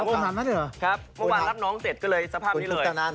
เมื่อวานรับน้องเต็ดก็เลยสภาพนี้เลย